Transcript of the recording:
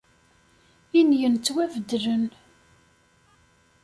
Inyen ttwabeddlen.